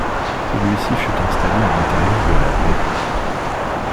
Celui-ci fut installé à l'intérieur de la baie.